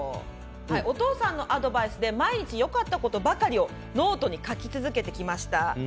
お父さんのアドバイスで、毎日よかったことばかりをノートに書き続けてきました。